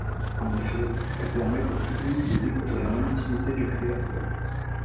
En effet, elles permettent au public de découvrir l'intimité du créateur.